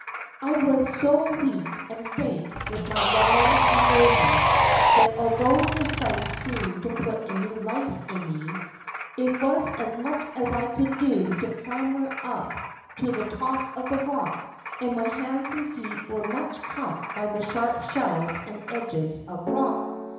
"I was so weak and faint with my long immersion, that although this sight seemed to put new life in me, it was as much as I could do to clamber up to the top of the rock, and my hands and feet were much cut by the sharp shells and edges of rock.